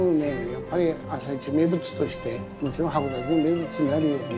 やっぱり朝市名物としてもちろん函館の名物になるように。